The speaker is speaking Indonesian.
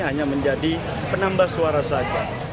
hanya menjadi penambah suara saja